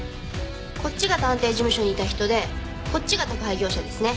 こっちが探偵事務所にいた人でこっちが宅配業者ですね。